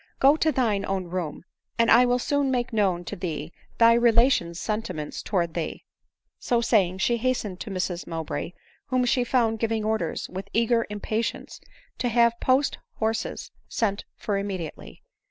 Go to 4hine own room, and I will soon make known to thee thy relation's sentiments towards thee." So saying, she hastened to Mrs Mowbray, whom she found giving orders, with eager impatience, to have post horses sent for immediately.